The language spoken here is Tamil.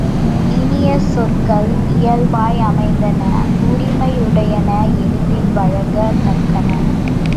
இனிய சொற்கள் இயல்பாய் அமைந்தன உரிமை உடையன எளிதில் வழங்கத் தக்கன.